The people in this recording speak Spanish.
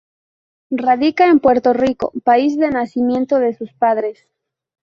Radica en Puerto Rico, país de nacimiento de sus padres.